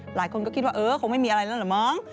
หลายคนก็คิดว่าเออคงไม่มีอะไรแล้วเหรอมั้ง